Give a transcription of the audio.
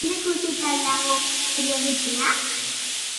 Ondo ikusita al dago hori egitea?